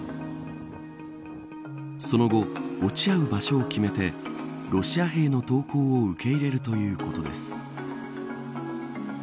その後、落ち合う場所を決めてロシア兵の投降を受け入れるということです。